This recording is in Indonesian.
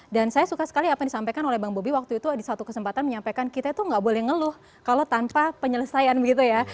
dan saya suka sekali apa yang disampaikan oleh bang bobi waktu itu di satu kesempatan menyampaikan kita itu gak boleh ngeluh kalau tanpa penyelesaian begitu ya